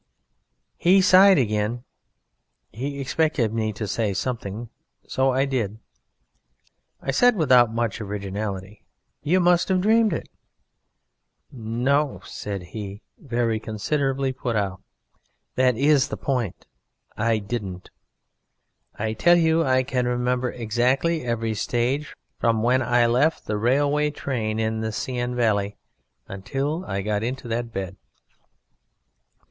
He sighed again. He expected me to say something. So I did. I said without much originality: "You must have dreamed it." "No," said he, very considerably put out, "that is the point! I didn't! I tell you I can remember exactly every stage from when I left the railway train in the Seine Valley until I got into that bed."